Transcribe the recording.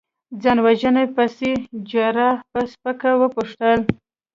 ځان وژنې پسې؟ جراح په سپکه وپوښتل.